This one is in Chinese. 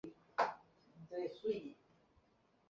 电影普遍地得到负面评价及票房失败。